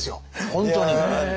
本当に。